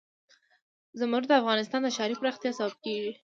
زمرد د افغانستان د ښاري پراختیا سبب کېږي.